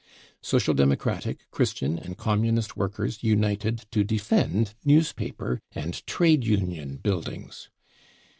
Social Democratic, Chris tian and Communist workers united to defend newspaper and trade union buildings.